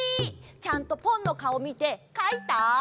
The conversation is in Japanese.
ちゃんとポンのかおみてかいた？